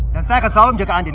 dan saya akan selalu menjaga andin